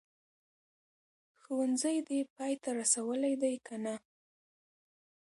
ښوونځی دي پای ته رسولی دی که نه ؟